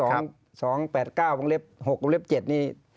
๒๘๙ปรงเล็บ๖ปรงเล็บ๗นี่